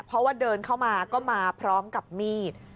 เพราะว่าเดินเข้ามาก็มาพร้อมกับมีด